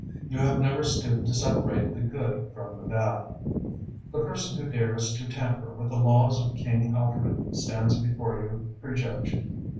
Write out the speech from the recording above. You have never stooped to separate the good from the bad. The person who dares to tamper with the laws of King Alfred stands before you prejudged.